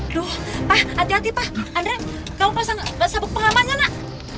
aduh pak hati hati pak andre kamu pasang sabuk pengamannya nak